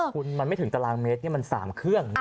คุณมันไม่ถึงตารางเมตรมัน๓เครื่องนะ